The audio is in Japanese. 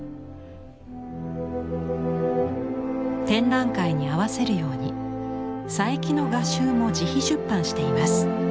展覧会に合わせるように佐伯の画集も自費出版しています。